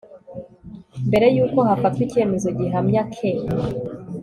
mbere y uko hafatwa icyemezo gihamya k